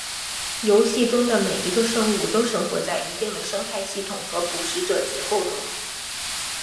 游戏中的每一个生物都生活在一定的生态系统和捕食者结构中。